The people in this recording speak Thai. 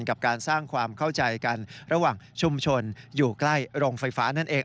กับการสร้างความเข้าใจกันระหว่างชุมชนอยู่ใกล้โรงไฟฟ้านั่นเอง